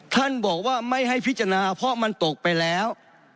ท่านบอกว่าไม่ให้พิจารณาเพราะมันตกไปแล้ว